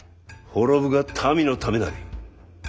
滅ぶが民のためなり。